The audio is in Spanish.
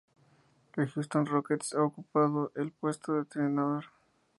En Houston Rockets ha ocupado el puesto de entrenador.